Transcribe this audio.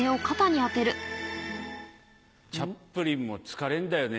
チャップリンも疲れんだよね。